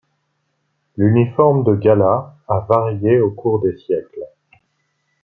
L'uniforme de gala a varié au cours des siècles.